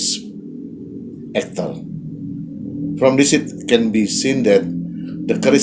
dari ini bisa dilihat bahwa